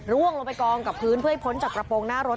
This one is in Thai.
ลงไปกองกับพื้นเพื่อให้พ้นจากกระโปรงหน้ารถ